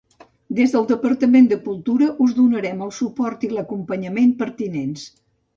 Des del Departament de Cultura us donarem el suport i l'acompanyament pertinents.